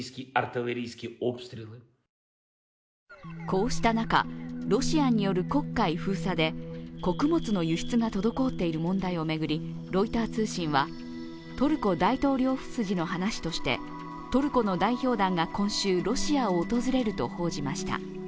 こうした中、ロシアによる黒海封鎖で穀物の輸出が滞っている問題を巡りロイター通信は、トルコ大統領府筋の話としてトルコの代表団が今週ロシアを訪れると報じました。